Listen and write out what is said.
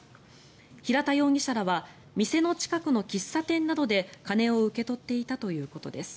平田容疑者らは店の近くの喫茶店などで金を受け取っていたということです。